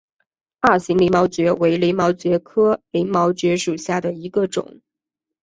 二型鳞毛蕨为鳞毛蕨科鳞毛蕨属下的一个种。